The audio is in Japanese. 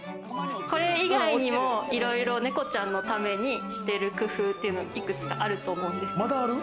これ以外にも、いろいろネコちゃんのためにしてる工夫っていうのが、いくつかあると思うんですけど。